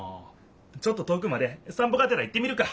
ちょっと遠くまでさん歩がてら行ってみるか！